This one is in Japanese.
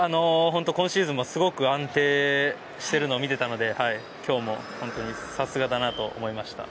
今シーズンもすごく安定していたのを見てたので、今日も本当にさすがだなと思いました。